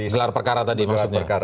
gelar perkara tadi maksudnya